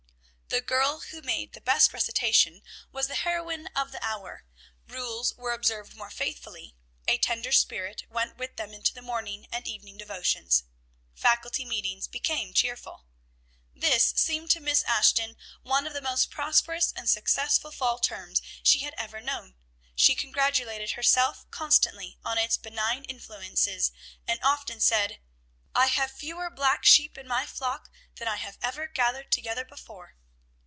The girl who made the best recitation was the heroine of the hour, rules were observed more faithfully, a tender spirit went with them into the morning and evening devotions, Faculty meetings became cheerful. This seemed to Miss Ashton one of the most prosperous and successful fall terms she had ever known; she congratulated herself constantly on its benign influences, and often said, "I have fewer black sheep in my flock than I have ever gathered together before."